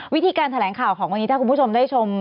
วิธีการแถลงข่าวของวันนี้ถ้าคุณผู้ชมได้ชม